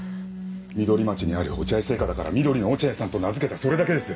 緑町にある落合製菓だから「緑のおチアイさん」と名付けたそれだけです